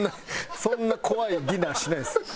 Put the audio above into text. そんな怖いディナーしないです。